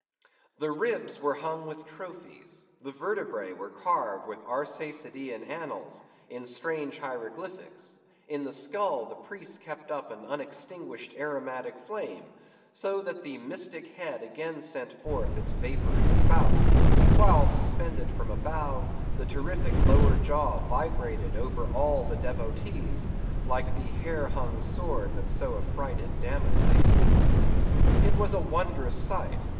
The ribs were hung with trophies; the vertebræ were carved with Arsacidean annals, in strange hieroglyphics; in the skull, the priests kept up an unextinguished aromatic flame, so that the mystic head again sent forth its vapory spout; while, suspended from a bough, the terrific lower jaw vibrated over all the devotees, like the hair hung sword that so affrighted Damocles. It was a wondrous sight.